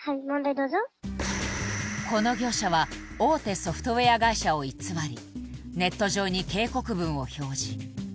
どうぞこの業者は大手ソフトウェア会社を偽りネット上に警告文を表示